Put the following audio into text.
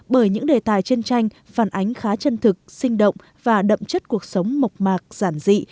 bởi những đề tài trên tranh phản ánh khá chân thực sinh động và đậm chất cuộc sống mộc mạc giản dị